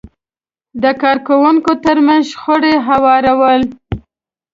د کار کوونکو ترمنځ شخړې هوارول،